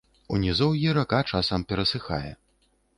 У нізоўі рака часам перасыхае.